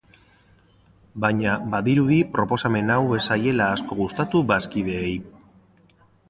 Baina, badirudi proposamen hau ez zaiela asko gustatu bazkideei.